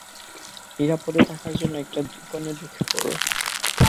নিরাপদে থাকার জন্য একটা দোকানে ঢুকে পড়ো।